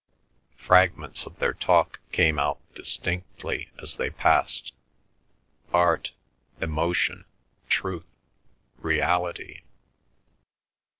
Fragments of their talk came out distinctly as they passed—art, emotion, truth, reality.